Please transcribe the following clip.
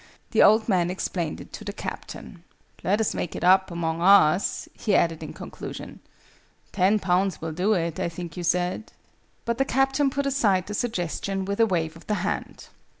The old man explained it to the Captain. "Let us make it up among us," he added in conclusion. "Ten pounds will do it, I think you said?" But the Captain put aside the suggestion with a wave of the hand.